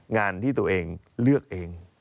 งานที่ตัวเองเลือกเอง